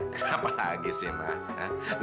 kenapa lagi sih mah